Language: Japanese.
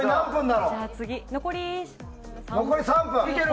残り３分。